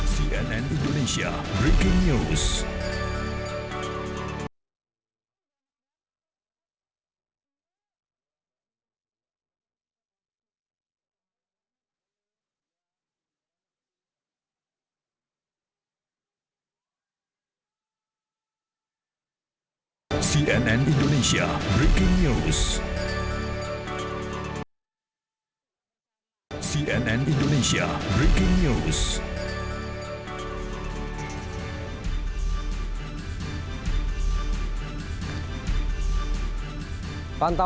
sebentar saja di podcast